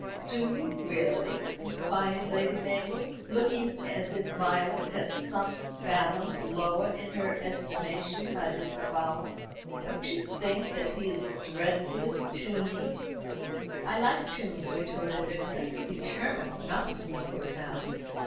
"Do you, really?" inquired Lady Mabel, looking as if Violet had sunk fathoms lower in her estimation by this avowal. "Don't you think that he is dreadfully tuney?" "I like tunes," retorted Vixen, determined not to be put down.